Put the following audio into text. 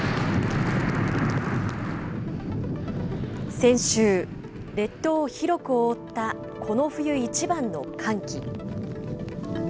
先週、列島を広く覆ったこの冬一番の寒気。